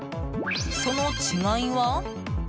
その違いは。